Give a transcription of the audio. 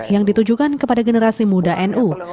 yang ditujukan kepada generasi muda nu